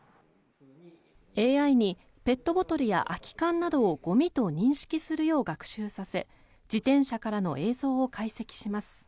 ＡＩにペットボトルや空き缶などをゴミと認識するよう学習させ自転車からの映像を解析します。